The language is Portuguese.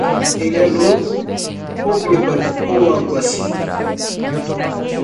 Ele é louco ou bêbado ou algo assim.